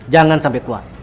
jangan sampai keluar